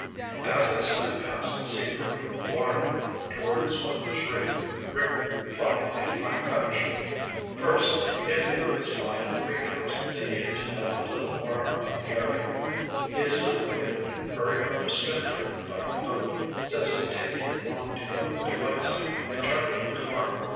As they sped past the Seaford water front toward Smugglers' Reef, Rick plotted a plan of action. First, if they were to spy on Creek House, they needed to know a little more about the area. He assumed that they would hurry from Spindrift by boat, since it would take too long to go to Whiteside and try to get a car.